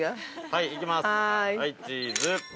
はい、チーズ。